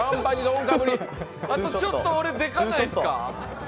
あと、ちょっと俺、デカないですか？